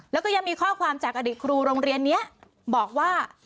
แล้วก็ยังมีข้อความจากอดีตครูโรงเรียนนี้บอกว่า